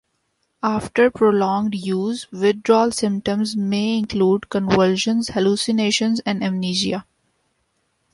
After prolonged use, withdrawal symptoms may include convulsions, hallucinations, and amnesia.